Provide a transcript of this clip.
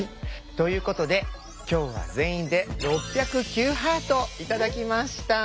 ということで今日は全員で６０９ハート頂きました。